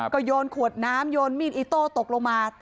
ก็โยนขวดน้ำโยนมีดอิโต้ตกลงมา